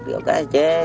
rồi cá chê